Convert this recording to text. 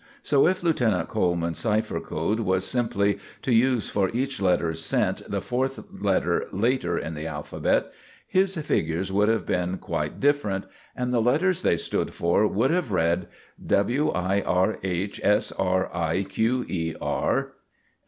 So if Lieutenant Coleman's cipher code was simply to use for each letter sent the fourth letter later in the alphabet, his figures would have been quite different, and the letters they stood for would have read: W i r h s r i q e r.